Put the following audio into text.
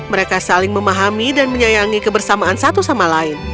mereka saling memahami dan menyayangi kebersamaan satu sama lain